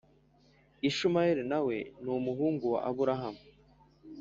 Ishimsyeli nawe numuhungu wa aburahamu